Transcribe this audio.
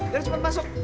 jangan cepet masuk